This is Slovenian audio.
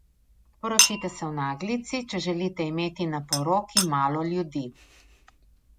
Poročite se v naglici, če želite imeti na poroki malo ljudi.